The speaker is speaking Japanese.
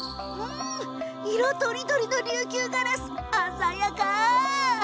色とりどりの琉球ガラス鮮やか。